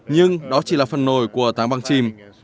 nhưng đó chỉ là phần nổi của táng băng chìm